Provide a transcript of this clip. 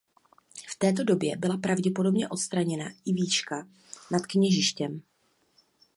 V této době byla pravděpodobně odstraněna i vížka nad kněžištěm.